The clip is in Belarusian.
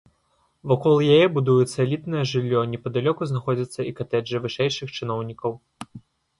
Вакол яе будуецца элітнае жыллё, непадалёку знаходзяцца і катэджы вышэйшых чыноўнікаў.